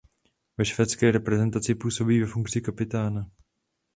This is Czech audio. Ve švédské reprezentaci působí ve funkci kapitána.